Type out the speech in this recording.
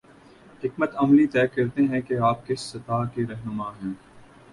حکمت عملی طے کرتی ہے کہ آپ کس سطح کے رہنما ہیں۔